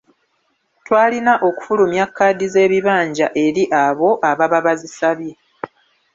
Twalina okufulumya kkaadi z’ebibanja eri abo ababa bazisabye.